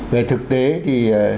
về thực tế thì